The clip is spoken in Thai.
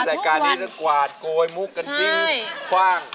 ดายการนี้ก็กวาดโกยมุกกันจริง